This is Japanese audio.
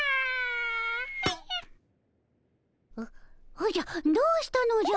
おじゃどうしたのじゃ？